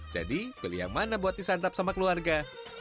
jadi pilih yang mana buat disantap sama keluarga